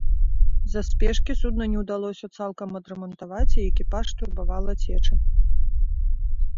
З-за спешкі судна не ўдалося цалкам адрамантаваць, і экіпаж турбавала цеча.